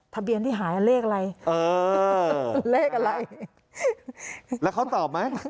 ทะเบียนที่หายเลขอะไรเออเลขอะไรแล้วเขาตอบไหม